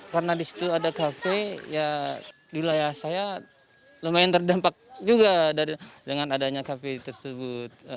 karena di situ ada kafe ya di layar saya lumayan terdampak juga dengan adanya kafe tersebut